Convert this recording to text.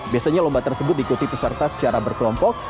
biasanya lomba tersebut diikuti peserta secara berkelompok